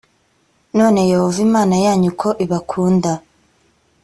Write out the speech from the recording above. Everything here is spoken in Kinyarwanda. none yehova imana yanyu ko ibakunda